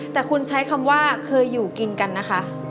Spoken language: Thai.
แต่คุณใช้คำว่าเคยอยู่กินกันนะคะ